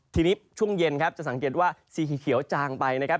ทีนี้ช่วงเย็นครับจะสังเกตว่าสีเขียวจางไปนะครับ